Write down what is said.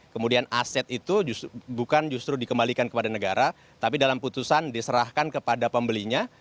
kemudian aset itu bukan justru dikembalikan kepada negara tapi dalam putusan diserahkan kepada pembelinya